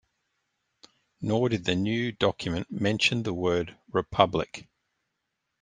Nor did the new document mention the word "republic".